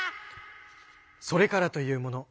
それからというもの